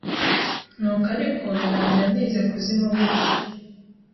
nuko ariko birangira nize kuzinywa gutyo”